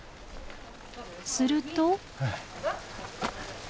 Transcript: すると。